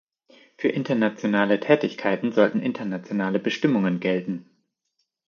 Für internationale Tätigkeiten sollten internationale Bestimmungen gelten.